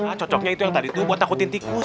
ah cocoknya itu yang tadi tuh buat takutin tikus